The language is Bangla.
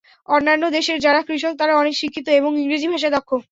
অন্যান্য দেশের যাঁরা কৃষক, তাঁরা অনেক শিক্ষিত এবং ইংরেজি ভাষায় দক্ষ।